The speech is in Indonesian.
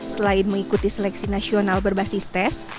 selain mengikuti seleksi nasional berbasis tes